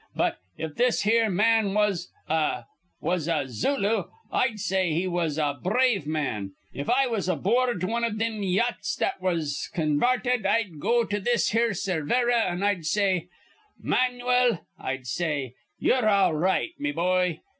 But, if this here man was a was a Zulu, I'd say he was a brave man. If I was aboord wan iv thim yachts that was convarted, I'd go to this here Cervera, an' I'd say: 'Manuel,' I'd say, 'ye're all right, me boy.